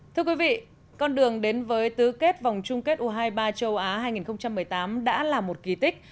thưa quý vị con đường đến với tứ kết vòng chung kết u hai mươi ba châu á hai nghìn một mươi tám đã là một kỳ tích